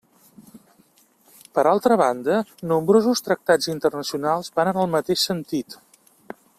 Per altra banda, nombrosos tractats internacionals van en el mateix sentit.